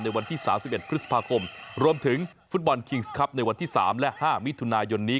วันที่๓๑พฤษภาคมรวมถึงฟุตบอลคิงส์ครับในวันที่๓และ๕มิถุนายนนี้